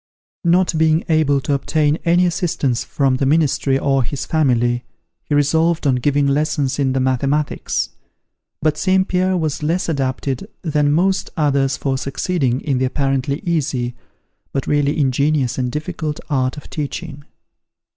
Not being able to obtain any assistance from the ministry or his family, he resolved on giving lessons in the mathematics. But St. Pierre was less adapted than most others for succeeding in the apparently easy, but really ingenious and difficult, art of teaching.